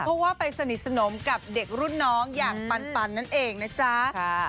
เพราะว่าไปสนิทสนมกับเด็กรุ่นน้องอย่างปันนั่นเองนะจ๊ะ